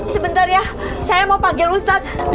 sebentar ya saya mau panggil ustadz